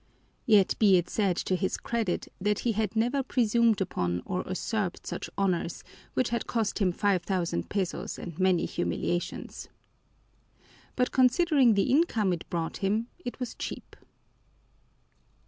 Yet be it said to his credit that he had never presumed upon or usurped such honors, which had cost him five thousand pesos and many humiliations. But considering the income it brought him, it was cheap.